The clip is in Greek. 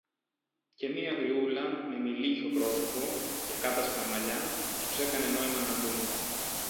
και μια γριούλα με μειλίχιο πρόσωπο και κάτασπρα μαλλιά, τους έκανε νόημα να μπουν.